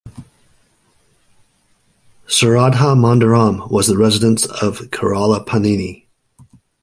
Saradha Mandiram was the residence of Kerala Panini.